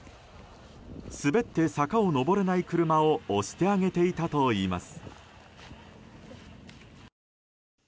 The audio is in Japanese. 滑って坂を上れない車を押してあげていたといいます。